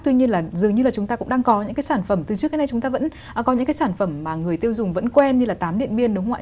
tuy nhiên là dường như là chúng ta cũng đang có những cái sản phẩm từ trước đến nay chúng ta vẫn có những cái sản phẩm mà người tiêu dùng vẫn quen như là tám điện biên đúng không ạ